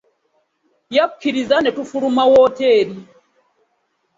Yakkiriza ne tufuluma wooteeri.